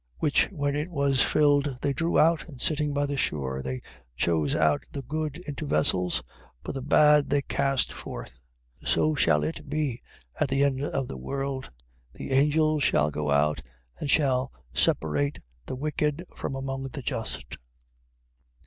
13:48. Which, when it was filled, they drew out, and sitting by the shore, they chose out the good into vessels, but the bad they cast forth. 13:49. So shall it be at the end of the world. The angels shall go out, and shall separate the wicked from among the just.